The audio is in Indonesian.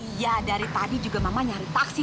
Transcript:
iya dari tadi juga mama nyari taksi